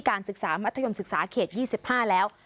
การศึกษามัธยมศึกษาเขต๒๕แล้ว